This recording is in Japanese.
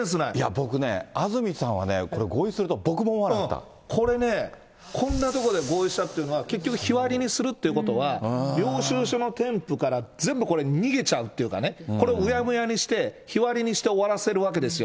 僕ね、あずみさんはね、これね、こんなところで合意したっていうのは、結局、日割りにするっていうことは、領収書の添付から、全部これ、逃げちゃうっていうかね、これをうやむやにして、日割りにして終わらせるわけですよ。